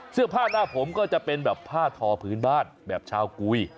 เสื้อผ้าหน้าผมก็จะเป็นแบบผ้าทอพื้นบ้านแบบชาวกุย